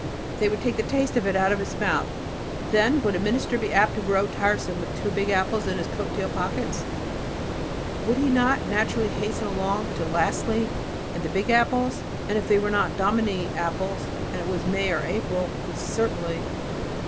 They would take the taste of it out of his mouth. Then, would a minister be apt to grow tiresome with two big apples in his coat tail pockets? Would he not naturally hasten along to "lastly," and the big apples? If they were the dominie apples, and it was April or May, he certainly....